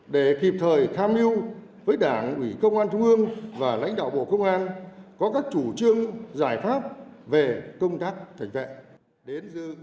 để kịp thời tham mưu với đảng ủy công an trung ương và lãnh đạo bộ công an có các chủ trương giải pháp về công tác cảnh vệ